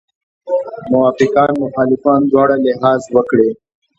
موافقان مخالفان دواړه لحاظ وکړي.